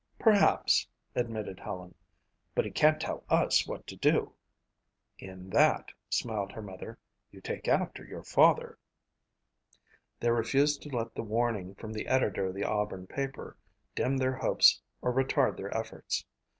"Perhaps," admitted Helen, "but he can't tell us what to do." "In that," smiled her mother, "you take after your father." They refused to let the warning from the editor of the Auburn paper dim their hopes or retard their efforts.